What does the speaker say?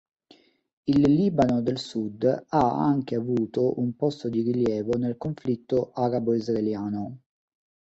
Il Libano del Sud ha anche avuto un posto di rilievo nel conflitto arabo-israeliano.